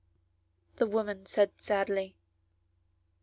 the woman said sadly.